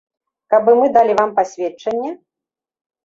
Каб і мы далі вам пасведчанне?